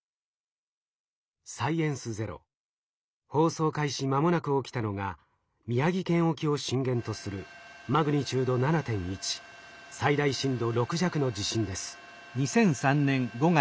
「サイエンスＺＥＲＯ」放送開始まもなく起きたのが宮城県沖を震源とするマグニチュード７．１最大震度６弱の地震です。